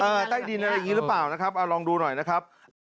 เออใต้ดินอะไรแบบนี้หรือเปล่าลองดูหน่อยนะครับ